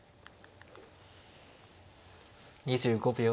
２５秒。